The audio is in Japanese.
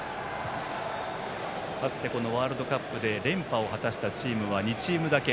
かつてワールドカップで連覇を果たしたチームは２チームだけ。